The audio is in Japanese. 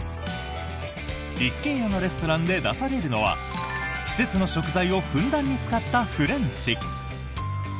一軒家のレストランで出されるのは季節の食材をふんだんに使ったフレンチ。